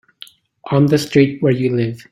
On the street where you live.